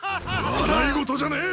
笑い事じゃねえ！